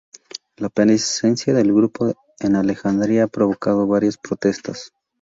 La presencia del grupo en Alejandría ha provocado varias protestas.